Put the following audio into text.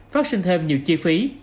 phát sinh thêm nhiều chi phí